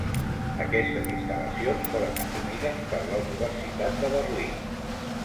Aquestes instal·lacions foren assumides per la Universitat de Berlín.